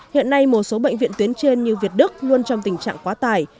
hiện nay một số bệnh viện tuyến trên như việt đức luôn trong tình trạng quá tải